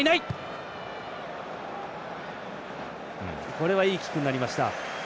これはいいキックになりました。